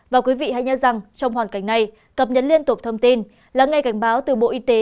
và quý vị hãy nhớ rằng trong hoàn cảnh này cập nhật liên tục thông tin lắng nghe cảnh báo từ bộ y tế